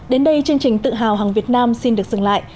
đến đây chương trình tự hào hàng việt nam xin được dừng lại